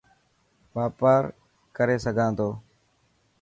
واپار ڪري سگھان ٿو.